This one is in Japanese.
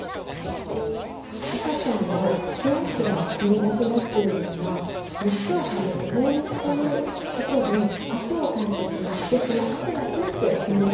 赤ちゃんの手足が冷たくなっているのは熱を放つ放熱ということで汗をかいてしまってその汗が冷えて冷たくなっていることがあります。